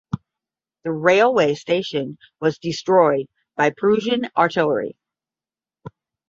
The railway station was destroyed by Prussian artillery.